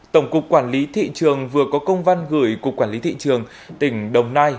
tổng cục quản lý thị trường vừa có công văn gửi cục quản lý thị trường tỉnh đồng nai